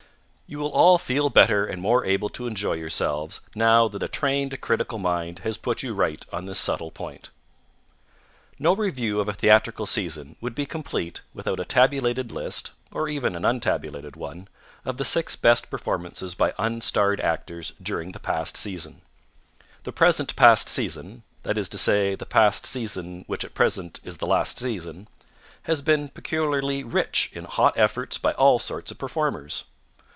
You will all feel better and more able to enjoy yourselves now that a trained critical mind has put you right on this subtle point. No review of a theatrical season would be complete without a tabulated list or even an untabulated one of the six best performances by unstarred actors during the past season. The present past season that is to say, the past season which at present is the last season has been peculiarly rich in hot efforts by all sorts of performers.